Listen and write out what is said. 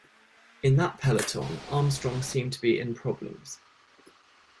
In that peloton, Armstrong seemed to be in problems.